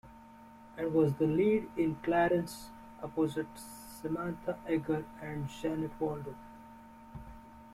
And was the Lead in"Clarence" opposite Samantha Eggar and Janet Waldo.